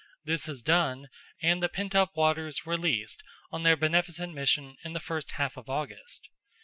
This is done, and the pent up waters released on their beneficent mission, in the first half of August.